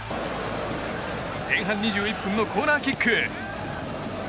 前半２１分のコーナーキック。